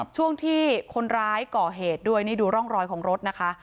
ช่วงที่คนร้ายก่อเหตุด้วยนี่ดูร่องรอยของรถนะคะ